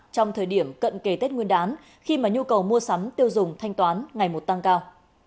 trong thời điểm cận kề tết nguyên đán khi mà nhu cầu mua sắm tiêu dùng thanh toán ngày một tăng cao